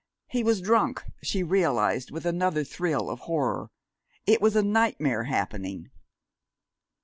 He was drunk, she realized with another thrill of horror. It was a nightmare happening.